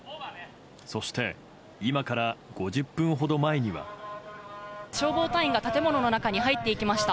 そして、今から５０分ほど前消防隊員が建物の中に入っていきました。